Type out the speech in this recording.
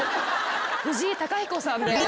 藤井貴彦さんで。